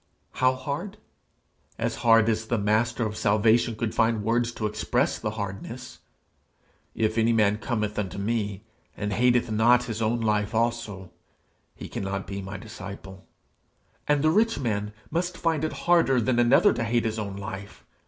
How hard? As hard as the Master of salvation could find words to express the hardness: 'If any man cometh unto me, and hateth not .... his own life also, he cannot be my disciple.' And the rich man must find it harder than another to hate his own life.